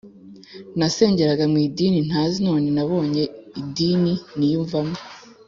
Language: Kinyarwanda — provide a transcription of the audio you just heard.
Nasenjyeraga mu idini ntazi none nabonye idini niyumvamo